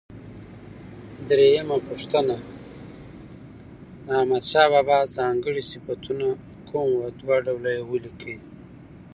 درېمه پوښتنه: د احمدشاه بابا ځانګړي صفتونه کوم و؟ دوه ډوله یې ولیکئ.